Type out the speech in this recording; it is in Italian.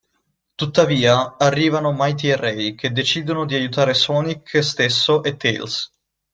Tuttavia arrivano Mighty e Ray che decidono di aiutare Sonic stesso e Tails.